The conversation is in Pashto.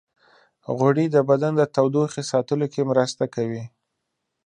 غوړې د بدن د تودوخې ساتلو کې مرسته کوي.